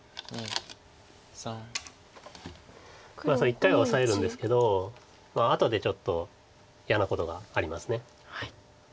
一回はオサえるんですけど後でちょっと嫌なことがあります。